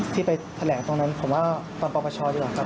ที่ไปแผลตรงนั้นผมว่าตอนปราชาดีกว่าครับ